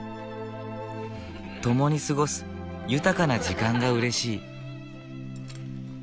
共に過ごす豊かな時間がうれしい。